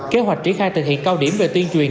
kế hoạch triển khai thực hiện cao điểm về tuyên truyền